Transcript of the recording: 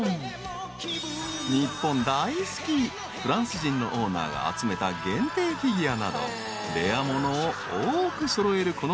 ［日本大好きフランス人のオーナーが集めた限定フィギュアなどレア物を多く揃える